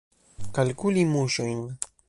Kalkuli muŝojn.